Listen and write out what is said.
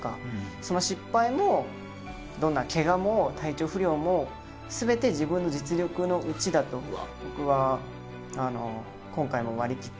その失敗もどんなケガも体調不良も全て自分の実力のうちだと僕は今回も割り切っていて。